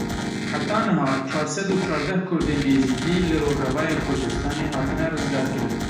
Heta niha çar sed û çardeh Kurdên Êzidî li Rojavayê Kurdistanê hatine rizgarkirin.